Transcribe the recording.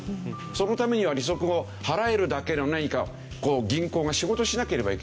そのためには利息を払えるだけの何か銀行が仕事しなければいけないわけでしょ。